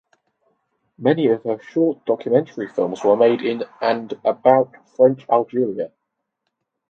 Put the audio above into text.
Many of her short documentary films were made in and about French Algeria.